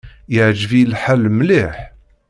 Iεǧeb-iyi lḥal mliḥ.